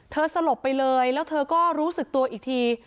สลบไปเลยแล้วเธอก็รู้สึกตัวอีกที